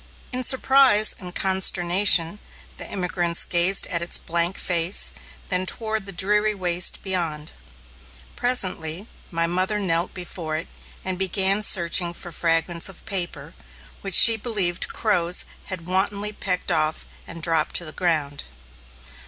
In surprise and consternation, the emigrants gazed at its blank face, then toward the dreary waste beyond. Presently, my mother knelt before it and began searching for fragments of paper, which she believed crows had wantonly pecked off and dropped to the ground.